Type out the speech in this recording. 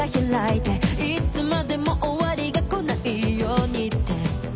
「いつまでも終わりが来ないようにって」